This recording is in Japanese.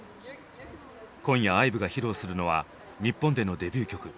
今夜ＩＶＥが披露するのは日本でのデビュー曲。